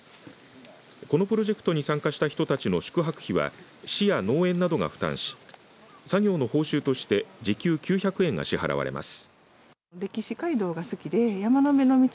このプロジェクトに参加人たちの宿泊費は市や農園などが負担し作業の報酬として時給９００円が支払われます。